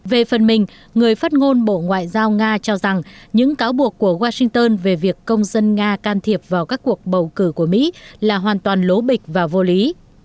về phần mình người phát ngôn bộ ngoại giao nga cho rằng những cáo buộc của washington về việc công dân nga can thiệp vào các cuộc bầu cử của mỹ là hoàn toàn lố bịch và vô lý